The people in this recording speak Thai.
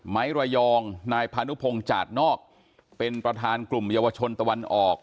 ไม้ระยองนายพานุพงศ์จาดนอกเป็นประธานกลุ่มเยาวชนตะวันออก